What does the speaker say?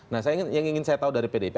nah yang ingin saya tahu dari pdip